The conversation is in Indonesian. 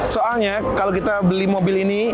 soalnya kalau kita beli mobil ini